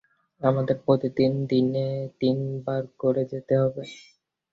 আমাদের প্রতিদিন, দিনে তিন বার করে যেতে হবে।